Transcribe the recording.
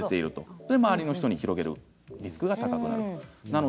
それで周りの人に広げるリスクが高くなります。